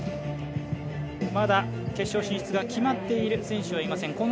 まだ決勝進出が決まっている選手はいません。